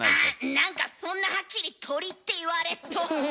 何かそんなはっきり鳥って言われっと。